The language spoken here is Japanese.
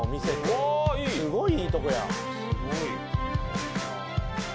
「すごいいいとこや」